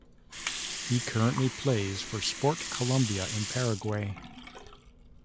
He currently plays for Sport Colombia in Paraguay.